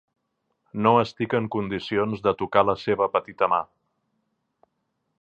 No estic en condicions de tocar la seva petita mà.